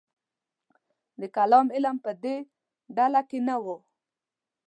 د کلام علم په دې ډله کې نه و.